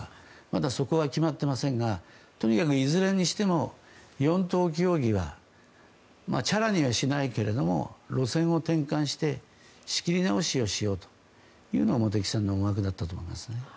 まだそこは決まっていませんがとにかくいずれにしても４党協議はちゃらにはしないけれども路線を転換して仕切り直しをしようというのが茂木さんの思惑だったと思います。